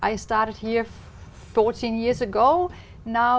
học sinh tự do